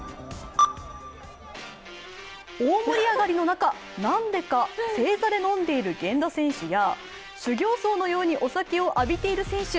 大盛り上がりの中、なんでか正座で飲んでいる源田選手や修行僧のようにお酒を浴びている選手。